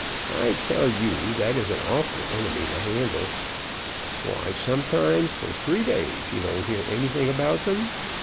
I tell you that is an awful enemy to handle. Why, sometimes for three days you don't hear anything about them.